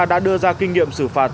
đã đưa ra kinh nghiệm xử phạt